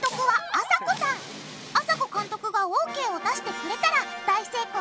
あさこ監督がＯＫを出してくれたら大成功だよ。